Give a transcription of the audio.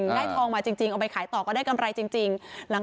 ได้ทองมาจริงเอาไปขายต่อก็ได้กำไรจริง